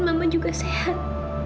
mama juga sehat